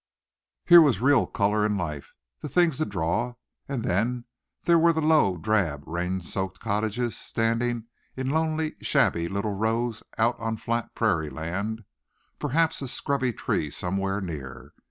Here was real color and life the thing to draw; and then there were the low, drab, rain soaked cottages standing in lonely, shabby little rows out on flat prairie land, perhaps a scrubby tree somewhere near.